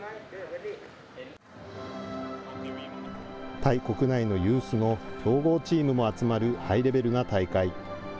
タイ国内のユースの強豪チームも集まるハイレベルな大会。